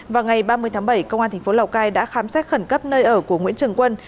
vào ngày ba mươi tháng bảy công an thành phố lào cai đã khám xét khẩn cấp nơi ở của nguyễn trường quân